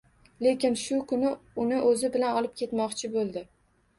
Lekin shu kuni uni o`zi bilan olib ketmoqchi bo`ldi